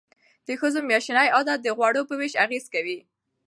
د ښځو میاشتنی عادت د غوړو په ویش اغیز کوي.